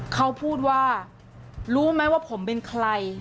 เขาพูดว่ารู้ไหมว่าผมเป็นใคร